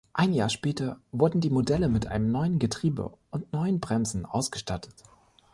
Ein Jahr später wurden die Modelle mit einem neuen Getriebe und neuen Bremsen ausgestattet.